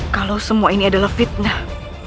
kalau semua ini adalah fitnah